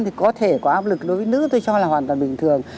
thì có thể có áp lực đối với nữ tôi cho là hoàn toàn bình thường